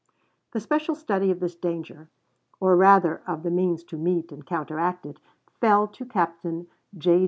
The special study of this danger, or rather of the means to meet and counteract it, fell to Captain J.